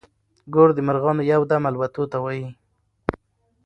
ګور د مرغانو يو دم الوتو ته وايي.